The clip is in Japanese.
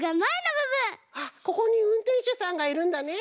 あっここにうんてんしゅさんがいるんだね。